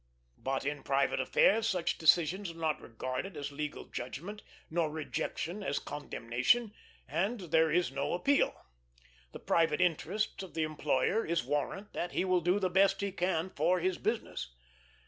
But in private affairs such decisions are not regarded as legal judgment, nor rejection as condemnation; and there is no appeal. The private interest of the employer is warrant that he will do the best he can for his business.